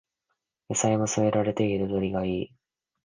野菜も添えられていて彩りがいい